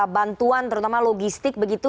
bantuan terutama logistik begitu